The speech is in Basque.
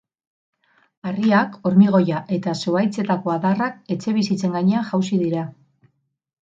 Harriak, hormigoia eta zuhaitzetako adarrak etxebizitzen gainean jausi dira.